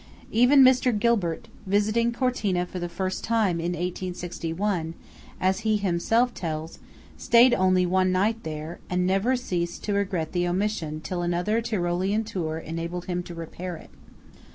Even Mr. Gilbert, visiting Cortina for the first time in 1861, as he himself tells, stayed only one night there, and never ceased to regret the omission till another Tryolean tour enabled him to repair it.